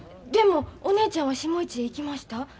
でもお姉ちゃんは下市へ行きました。